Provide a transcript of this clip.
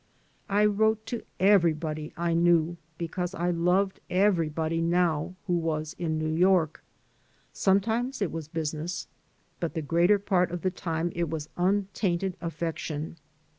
I wrote to everybody I knew because I loved everybody now who was in New York. Sometimes it was business, but the greater part of the time it was untainted affec tion.